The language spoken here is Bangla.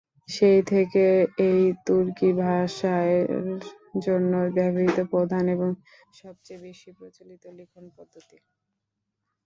সেই থেকে এটি তুর্কি ভাষার জন্য ব্যবহৃত প্রধান এবং সবচেয়ে বেশি প্রচলিত লিখন পদ্ধতি।